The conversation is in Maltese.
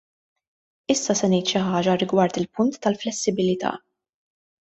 Issa se ngħid xi ħaġa rigward il-punt tal-flessibilità.